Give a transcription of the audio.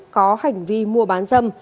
có hành vi mua bán dâm